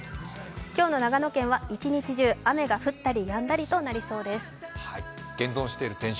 今日の長野県は一日中雨が降ったりとなりそうです。